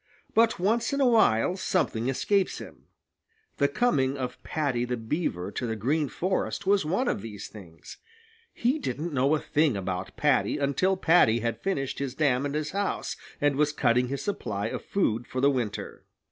But once in a while something escapes him. The coming of Paddy the Beaver to the Green Forest was one of these things. He didn't know a thing about Paddy until Paddy had finished his dam and his house, and was cutting his supply of food for the winter.